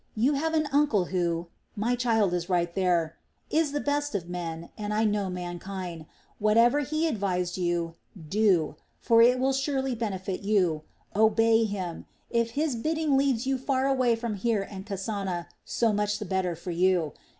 You have an uncle who my child is right there is the best of men, and I know mankind. Whatever he advised, do; for it will surely benefit you. Obey him! If his bidding leads you far away from here and Kasana, so much the better for you.